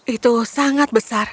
itu sangat besar